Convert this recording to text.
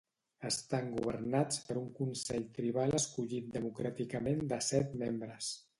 Estan governats per un consell tribal escollit democràticament de set membres.